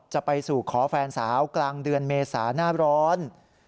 จะไปสู่ขอแฟนสาวกลางเดือนเมษาหน้าร้อน